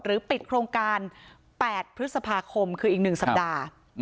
ปิดโครงการ๘พฤษภาคมคืออีก๑สัปดาห์